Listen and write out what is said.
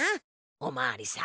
おまわりさん。